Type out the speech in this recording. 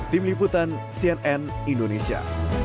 tim liputan cnn indonesia